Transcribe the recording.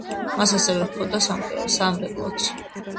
მას ასევე ჰქონდა სამრეკლოც.